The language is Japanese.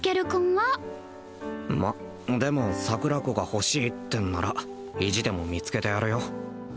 はまっでも桜子が欲しいってんなら意地でも見つけてやるよ